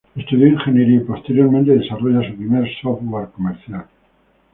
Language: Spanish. Estudió ingeniería, y posteriormente desarrolla su primer "software" comercial.